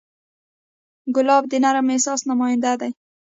ګلاب د نرم احساس نماینده دی.